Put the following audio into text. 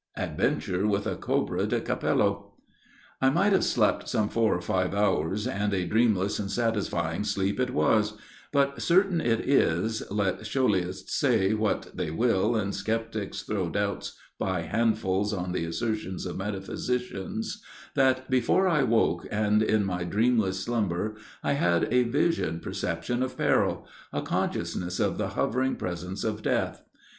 ADVENTURE WITH A COBRA DI CAPELLO I might have slept some four or five hours, and a dreamless and satisfying sleep it was; but certain it is let scholiasts say what they will, and skeptics throw doubts by handfulls on the assertions of metaphysicians that, before I awoke, and in my dreamless slumber, I had a visible perception of peril a consciousness of the hovering presence of death!